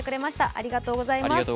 ありがとうございます。